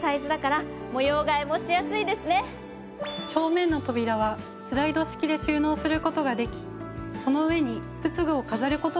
正面の扉はスライド式で収納する事ができその上に仏具を飾る事もできます。